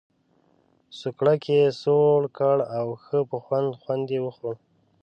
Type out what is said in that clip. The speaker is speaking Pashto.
سوکړک یې سوړ کړ او ښه په خوند خوند یې وخوړ.